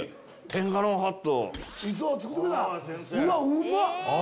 うまっ！